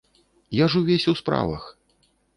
Я ж увесь у справах.